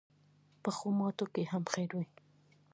پخو ماتو کې هم خیر وي